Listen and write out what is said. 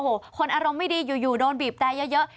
โอ้โหคนอารมณ์ไม่ดีอยู่โดนบีบแต่เยอะ